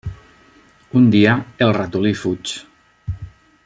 Un dia, el ratolí fuig.